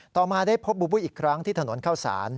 ต่อมาได้พบบูบูอีกครั้งที่ถนนเข้าสาร